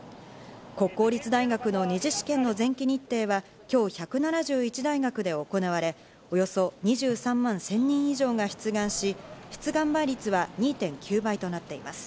国公立大学の二次試験の前期日程は今日１７１大学で行われ、およそ２３万１０００人以上が出願し、出願倍率は２．９倍となっています。